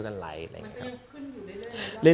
ขึ้นอยู่เรื่อยแล้ว